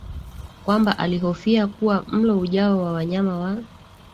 kwamba alihofia kuwa mlo ujao wa wanyama wa